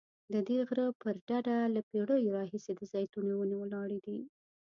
ددې غره پر ډډه له پیړیو راهیسې د زیتونو ونې ولاړې دي.